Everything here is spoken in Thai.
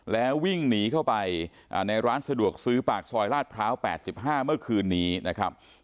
แล้ววิ่งหนีเข้าไปในร้านสะดวกซื้อปากซอยลาดพร้าว๘๕เมื่อคืนนี้นะครับ